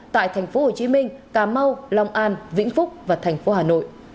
tại tp hcm cà mau long an vĩnh phúc và tp hcm